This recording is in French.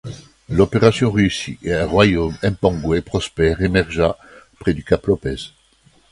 L'opération réussit et un royaume Mpongwe prospère émergea près du Cap Lopez.